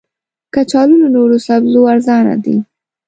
کچالو له نورو سبو ارزانه دي